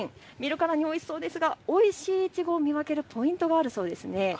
見るからにおいしそうですがおいしいいちごを見分けるポイントがあるそうですね。